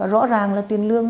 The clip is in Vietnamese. rõ ràng là tiền lương